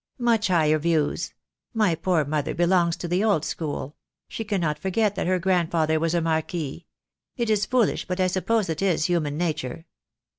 "Much higher views. My poor mother belongs to the old school. She cannot forget that her grandfather was a marquis. It is foolish, but I suppose it is human nature.